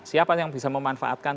siapa yang bisa memanfaatkan